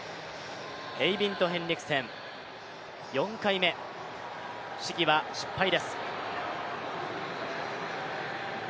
エイビンド・ヘンリクセン、４回目、試技は失敗です。